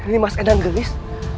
nih mas endang gelis